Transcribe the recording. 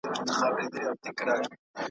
څاڅکي څاڅکي ډېرېږي .